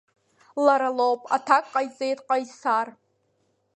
Лара лоуп, аҭак ҟаиҵеит Ҟаисар.